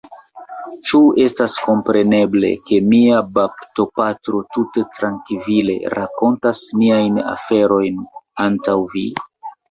Ĉu estas kompreneble, ke mia baptopatro tute trankvile rakontas niajn aferojn antaŭ vi?